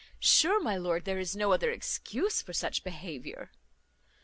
Sure, my lord, there is no other excuse for such behaviour."